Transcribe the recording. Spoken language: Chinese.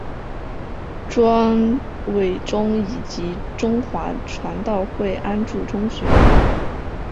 庄伟忠以及中华传道会安柱中学。